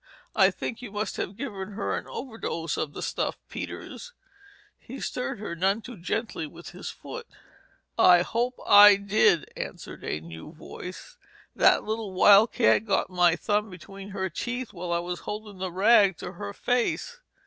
I think you must have given her an overdose of the stuff, Peters." He stirred her none too gently with his foot. "I hope I did!" answered a new voice. "That little wildcat got my thumb between her teeth while I was holdin' the rag to her face.